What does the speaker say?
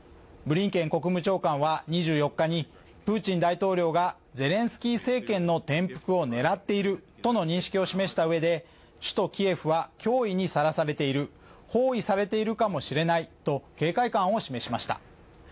ブリンケン国務長官は２４日にプーチン大統領がゼレンスキー政権の転覆を狙っているとの認識を示したうえで、首都キエフは脅威にさらされている、包囲されているかもしれないと警戒感を示しました。